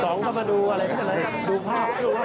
สองก็มาดูอะไรก็จะไร